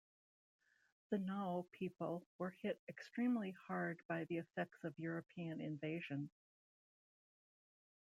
The Nauo people were hit extremely hard by the effects of European invasion.